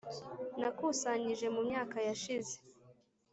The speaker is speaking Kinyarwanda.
nakusanyije mu myaka yashize.